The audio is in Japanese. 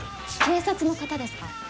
警察の方ですか？